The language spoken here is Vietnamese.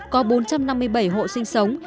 có bốn trăm năm mươi bảy hộ sinh sinh